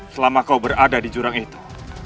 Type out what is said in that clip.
selama kau berada di jurang itu